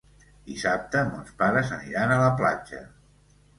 Dissabte mons pares aniran a la platja.